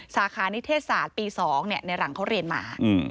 สาขานิเทศศาสตร์ปี๒ในหลังเขาเรียนมา